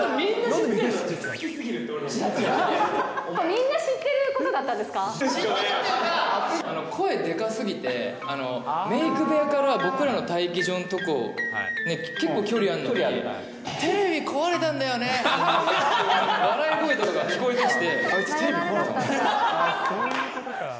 声でかすぎて、メイク部屋から僕らの待機場の所まで結構、距離あるのに、テレビ壊れたんだよねとかって、笑い声とか聞こえてきて、あいつ、そういうことか。